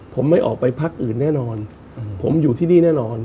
ผมเองกับคุณอุ้งอิ๊งเองเราก็รักกันเหมือนน้อง